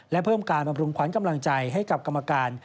และเพิ่มการบำรุงขวัญกำลังใจให้กับกรรมการ